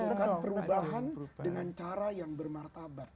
melakukan perubahan dengan cara yang bermartabat